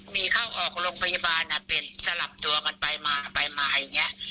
มีเข้าออกโรงพยาบาลเป็นสลับตัวกันไปมาไปมาอย่างนี้